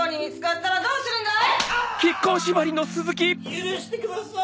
許してください！